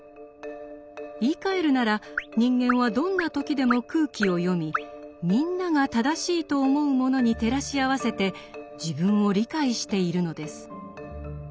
言いかえるなら人間はどんな時でも空気を読み「みんな」が正しいと思うものに照らし合わせて自分を理解しているのです。